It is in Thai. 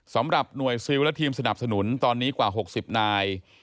สำหรับหน่วยซิลและทีมสนับสนุนตอนนี้กว่า๖๐นาย